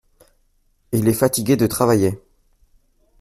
Il est fatigué de travailler.